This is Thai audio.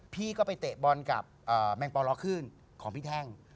พี่ก็ไปเตะบอลกับแมงปอลล้อขึ้นของพี่แท่ง